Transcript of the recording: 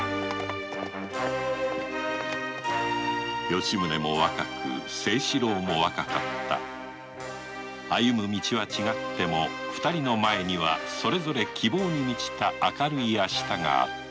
吉宗も若く精四郎も若かった歩む道は違っても二人の前にはそれぞれ希望に満ちた明るい明日があった